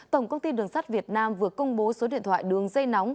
tổng công ty đường sắt việt nam vừa công bố số điện thoại đường dây nóng